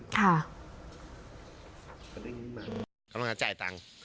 กำลังจะจ่ายตังค์